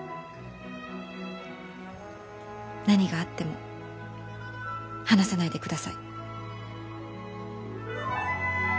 何があっても離さないでください。